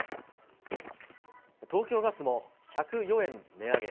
東京ガスも１０４円値上げ。